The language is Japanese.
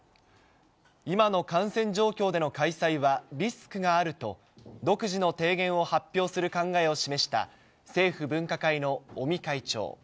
今の感染状況での開催はリスクがあると、独自の提言を発表する考えを示した政府分科会の尾身会長。